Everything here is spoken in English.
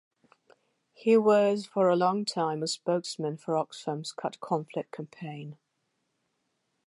He was, for a long time, a spokesman for Oxfam's Cut Conflict Campaign.